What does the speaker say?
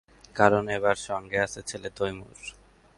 কারণ, এবার সঙ্গে আছে ছেলে তৈমুর।